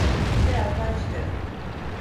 Birazdan çıkarım.